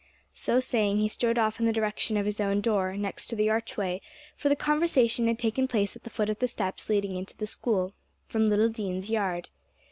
So saying, he strode off in the direction of his own door, next to the archway, for the conversation had taken place at the foot of the steps leading into School from Little Dean's Yard.